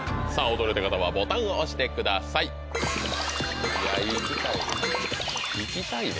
驚いた方はボタンを押してくださいいきたいね